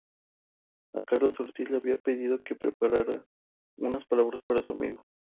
A Carlos Ortiz le habían pedido que preparara unas palabras para su amigo.